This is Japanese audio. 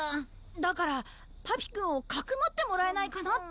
だからパピくんをかくまってもらえないかなって。